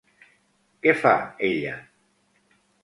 Què fa ella?